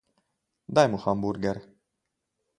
Daj mu hamburger.